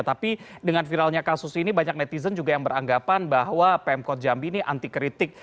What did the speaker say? tapi dengan viralnya kasus ini banyak netizen juga yang beranggapan bahwa pemkot jambi ini anti kritik